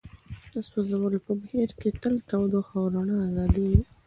د سوځولو په بهیر کې تل تودوخه او رڼا ازادیږي.